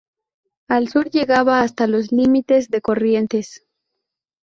Al sur llegaba hasta los límites de Corrientes.